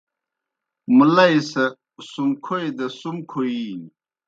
مُلئی سہ سُم کھوئی دہ سُم کھویینیْ۔